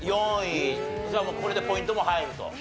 じゃあもうこれでポイントも入ると。